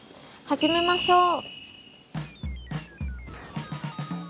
始めましょう！